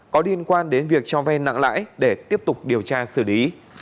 có liên quan đến việc cho vay nặng lãi để tiếp tục điều tra xử lý